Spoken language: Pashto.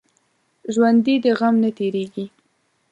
ژوندي د غم نه تېریږي